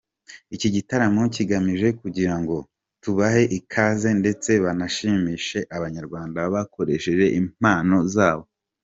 Iki gitaramo kigamije kugira ngo tubahe ikaze ndetse banashimishe Abanyarwanda bakoresheje impano zabo.